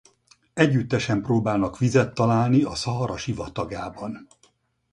Együttesen próbálnak vizet találni a Szahara sivatagában.